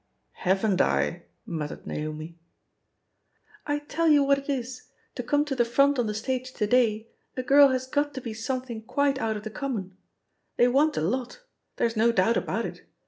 "Haven't I ?" muttered NaomL "I tell you what it is, to come to the front on the stage to day, a girl has got to he something quite out of the conmoion* They want a lot I there's no doubt about it.